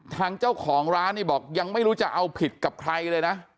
ทางเจ้าของร้านนี่บอกยังไม่รู้จะเอาผิดกับใครเลยนะ